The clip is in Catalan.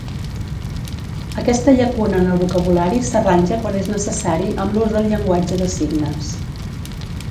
Aquesta llacuna en el vocabulari s'arranja quan és necessari amb l'ús del llenguatge de signes.